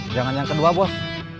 jangan yang kedua bos